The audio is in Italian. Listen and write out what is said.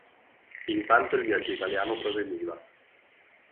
Intanto il viaggio italiano proseguiva.